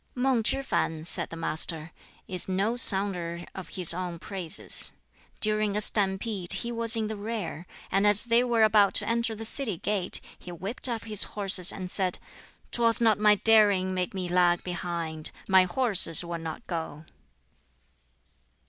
"Mang Chi fan," said the Master, "is no sounder of his own praises. During a stampede he was in the rear, and as they were about to enter the city gate he whipped up his horses, and said, 'Twas not my daring made me lag behind. My horses would not go.'"